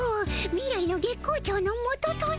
未来の月光町ノ元とな。